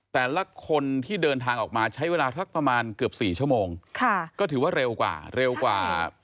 แต่ละคนที่เดินทางออกมาใช้เวลาสักประมาณเกือบสี่ชั่วโมงค่ะก็ถือว่าเร็วกว่าเร็วกว่า